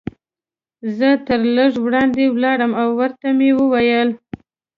زه ترې لږ وړاندې ولاړم او ورته مې وویل.